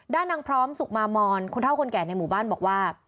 นางพร้อมสุขมามอนคนเท่าคนแก่ในหมู่บ้านบอกว่า